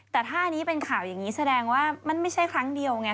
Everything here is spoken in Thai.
แต่ถ้าอันนี้เป็นข่าวอย่างนี้แสดงว่ามันไม่ใช่ครั้งเดียวไง